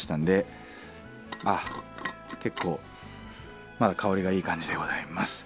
ああ結構まだ香りがいい感じでございます。